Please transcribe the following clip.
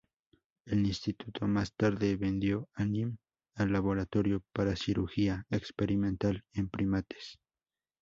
El Instituto más tarde vendió a Nim al Laboratorio para Cirugía Experimental en Primates.